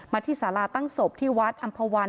มาที่สาระตั้งศพที่วัดอัมพวัน